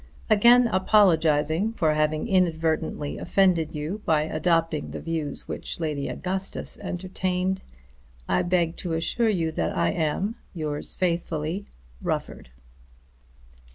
Again apologizing for having inadvertently offended you by adopting the views which Lady Augustus entertained, I beg to assure you that I am, Yours faithfully, RUFFORD.